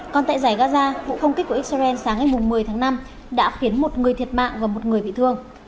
còn tại giải gaza vụ không kích của israel sáng ngày một mươi tháng năm đã khiến một người thiệt mạng và một người bị thương